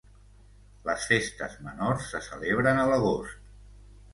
Les festes menors se celebren a l'agost.